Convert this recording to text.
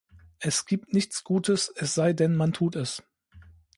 Es gibt nichts gutes, es sei denn man tut es.